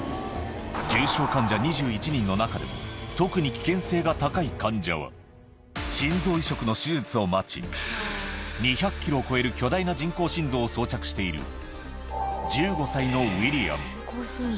重症患者２１人の中でも、特に危険性が高い患者は、心臓移植の手術を待ち、２００キロを超える巨大な人工心臓を装着している、１５歳のウィリアム。